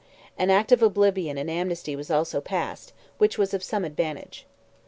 An Act of oblivion and amnesty was also passed, which was of some advantage.